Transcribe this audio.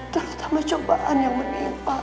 terutama cobaan yang menimpa